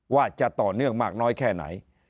ว่าจะต่อเนื่องมากน้อยแค่ไหน